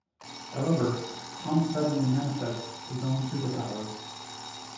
However, Tom suddenly manifests his own superpowers.